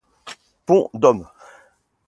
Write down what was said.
Pont dom.